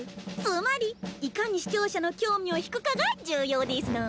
つまりいかに視聴者の興味を引くかが重要ですの。